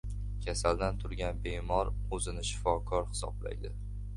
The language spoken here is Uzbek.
Kasaldan turgan bemor o‘zini shifokor hisoblaydi.